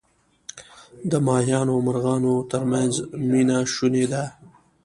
د ماهیانو او مرغانو ترمنځ مینه شوني ده.